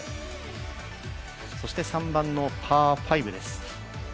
そして３番のパー５です。